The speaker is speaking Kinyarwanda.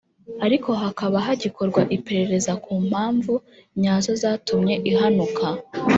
ariko hakaba hagikorwa iperereza ku mpamvu nyazo zatumye ihanuka